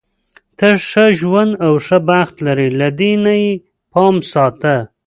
ته ښه ژوند او ښه بخت لری، له دې نه یې پام ساته.